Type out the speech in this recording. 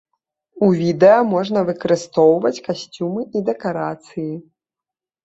У відэа можна выкарыстоўваць касцюмы і дэкарацыі.